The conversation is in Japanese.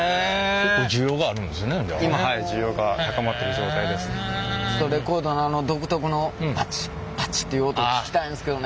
ちょっとレコードのあの独特のパチッパチッていう音聴きたいんですけどね。